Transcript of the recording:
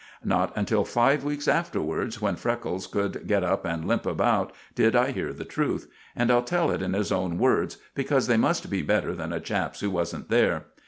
Not until five weeks afterwards, when Freckles could get up and limp about, did I hear the truth; and I'll tell it in his own words, because they must be better than a chap's who wasn't there.